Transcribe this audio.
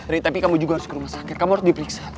ri tapi kamu juga harus ke rumah sakit kamu harus diperiksa